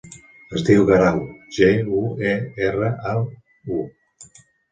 Es diu Guerau: ge, u, e, erra, a, u.